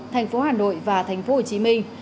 thành phố hà nội và thành phố hồ chí minh